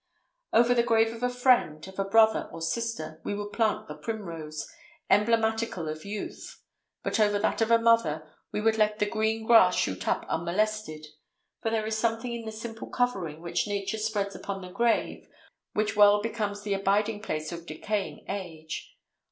Over the grave of a friend, of a brother or a sister we would plant the primrose, emblematical of youth; but over that of a mother we would let the green grass shoot up unmolested; for there is something in the simple covering which nature spreads upon the grave which well becomes the abiding place of decaying age.